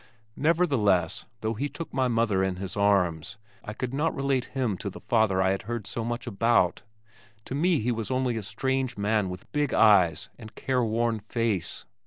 Nevertheless though he took my mother in his arms, I could not relate him to the father I had heard so much about. To me he was only a strange man with big eyes and care worn face.